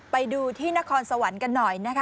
ไปดูที่นครสวรรค์กันหน่อยนะคะ